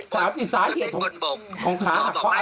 เป็นเต้นบนบกร็วบอกไม่